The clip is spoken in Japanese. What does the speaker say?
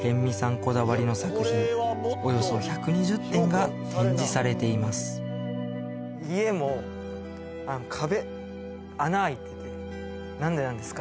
こだわりの作品およそ１２０点が展示されていますなんでなんですか？